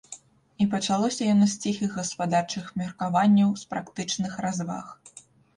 І пачалося яно з ціхіх гаспадарчых меркаванняў, з практычных разваг.